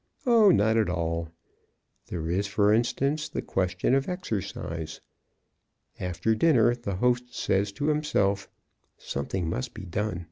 Oh, not at all. There is, for instance, the question of exercise. After dinner the host says to himself: "Something must be done.